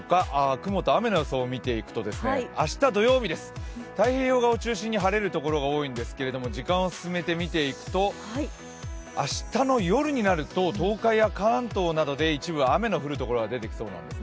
雲と雨の予想見ていきますと明日土曜日です、太平洋側を中心に晴れる所が多いんですが時間を進めて見ていくと、明日の夜になると東海や関東などで一部、雨の降る所が出てきそうです。